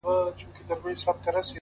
هره تجربه د پوهې څراغ بلوي,